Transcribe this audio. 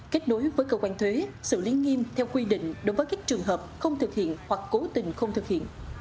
kết nối với cơ quan thuế xử lý nghiêm theo quy định đối với các trường hợp không thực hiện hoặc cố tình không thực hiện